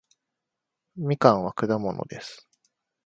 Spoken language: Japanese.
みかんは果物です